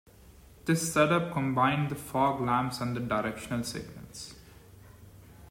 This setup combined the fog lamps and the directional signals.